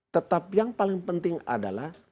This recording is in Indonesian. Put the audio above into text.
tetapi yang paling penting adalah